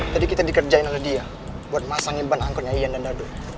tadi kita dikerjain oleh dia buat masangin ban angkotnya ian dan dado